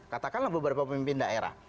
katakanlah beberapa pemimpin daerah